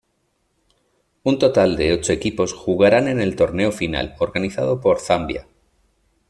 Un total de ocho equipos jugarán en el torneo final, organizado por Zambia.